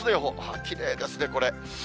きれいですね、これ。